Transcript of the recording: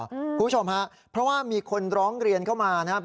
คุณผู้ชมฮะเพราะว่ามีคนร้องเรียนเข้ามานะครับ